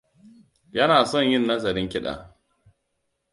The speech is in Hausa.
Yana son yin nazarin kiɗa.